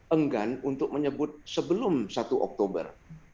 enggan untuk menyebut sebelum satu oktober